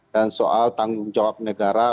dan soal tanggung jawab negara